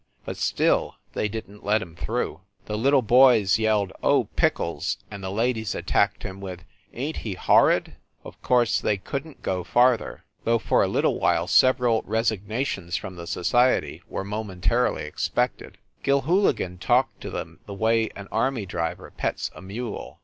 But still, they didn t let him through. The little boys yelled "Oh, pickles!" and the ladies attacked him with "Ain t he horrid!" Of course they couldn t go farther though for a little while, several resig nations from the society were momentarily expected. Gilhooligan talked to them the way an army driver pets a mule.